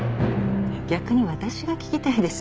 逆に私が聞きたいです。